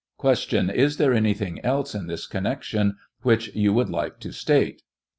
Q. Is there anything else in this connection which you would like to state? A.